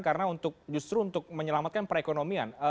karena justru untuk menyelamatkan perekonomian